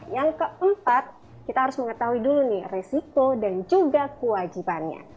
yang keempat kita harus mengetahui dulu nih resiko dan juga kewajibannya